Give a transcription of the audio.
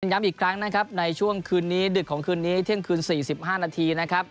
ย้ำอีกครั้งนะครับในช่วงคืนนี้ดึกของคืนนี้เที่ยงคืน๔๕นาทีนะครับ